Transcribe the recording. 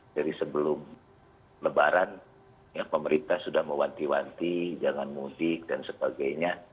jadi sebelum lebaran pemerintah sudah mewanti wanti jangan mudik dan sebagainya